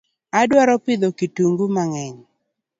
Adwaro pidho kitungu mangeny